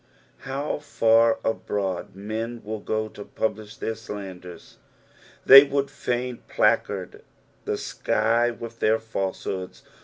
How far abroad men will go to publish their slanders ! They would fain placard the sky with their falsehoods.